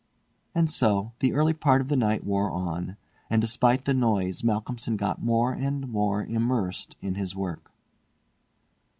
And so the early part of the night wore on; and despite the noise Malcolmson got more and more immersed in his work.